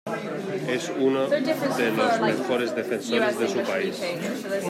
Es unos de los mejores defensores de su País.